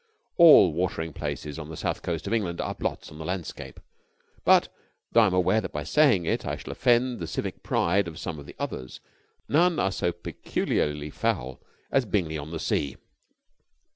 All watering places on the South Coast of England are blots on the landscape, but, though I am aware that by saying it I shall offend the civic pride of some of the others, none are so peculiarly foul as Bingley on the Sea.